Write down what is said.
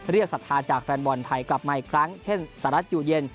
ศรัทธาจากแฟนบอลไทยกลับมาอีกครั้งเช่นสหรัฐอยู่เย็น